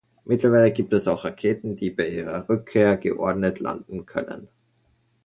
Mittlerweile gibt es auch Raketen, die bei ihrer Rückkehr geordnet landen können.